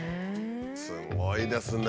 すごいですね。